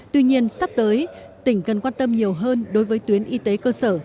tuy nhiên sắp tới tỉnh cần quan tâm nhiều hơn đối với tuyến y tế cơ sở